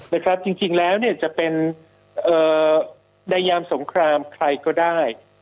นะครับจริงแล้วเนี่ยจะเป็นเอ่อในยามสงครามใครก็ได้